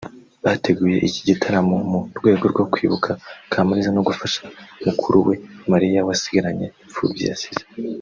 Bateguye iki gitaramo mu rwego rwo kwibuka Kamaliza no gufasha mukuru we Mariya wasigaranye imfubyi yasize